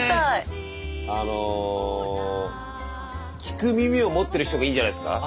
あの聞く耳を持ってる人がいいんじゃないんすか？